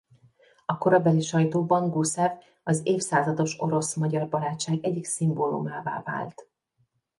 A korabeli sajtóban Guszev az évszázados orosz–magyar barátság egyik szimbólumává vált.